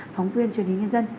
phóng viên truyền hình nhân dân